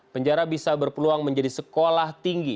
penjara bisa berpeluang menjadi sekolah tinggi